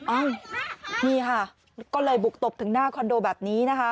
อ้าวนี่ค่ะก็เลยบุกตบถึงหน้าคอนโดแบบนี้นะคะ